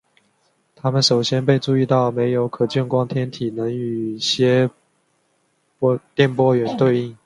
它们首先被注意到没有可见光天体能与些电波源对应。